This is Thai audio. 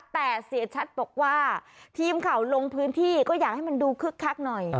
แต่เสียชัดบอกว่าทีมข่าวลงพื้นที่ก็อยากให้มันดูคึกคักหน่อย